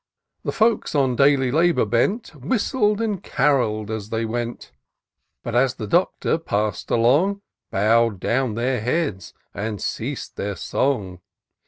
The folks on daily labour bent, Whistled and caroll'd as they went ; But as the Doctor pass*d along, Bow'd down their heads, and ceas*d their song.